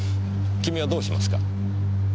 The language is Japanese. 君はどうしますか？